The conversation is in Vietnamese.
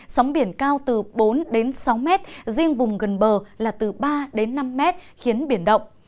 sóng biển cao từ bốn đến sáu mét riêng vùng gần bờ là từ ba đến năm mét khiến biển động